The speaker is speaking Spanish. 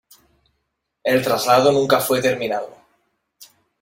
El traslado nunca fue terminado.